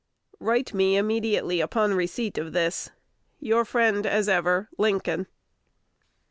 Write me immediately on the receipt of this. Your friend as ever, Lincoln.